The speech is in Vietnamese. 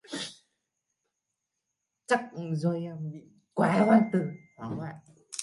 chắc do em bị quá hoảng loạn